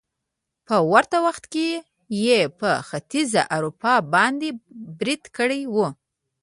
په ورته وخت کې يې په ختيځې اروپا باندې بريد کړی وو